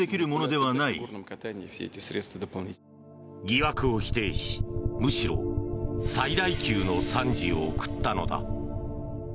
疑惑を否定し、むしろ最大級の賛辞を贈ったのだ。